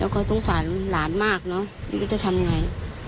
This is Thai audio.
แล้วก็สงสารหลานมากเนาะนี่ก็จะทำยังไง